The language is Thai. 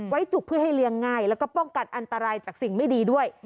จุกเพื่อให้เลี้ยงง่ายแล้วก็ป้องกันอันตรายจากสิ่งไม่ดีด้วย